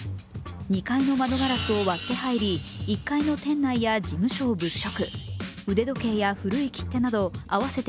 ２階の窓ガラスを割って入り、１階の店内や事務所を物色。